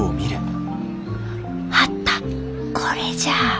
これじゃあ。